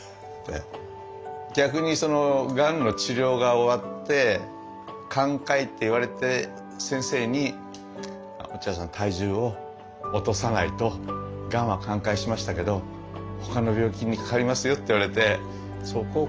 逆にそのがんの治療が終わって寛解って言われて先生に「落合さん体重を落とさないとがんは寛解しましたけど他の病気にかかりますよ」って言われてそこから７８キロ落としたんですかね。